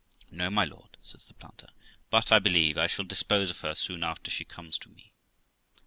'No, my lord', says the planter, 'but I believe I shall dispose of her soon after she comes to me.'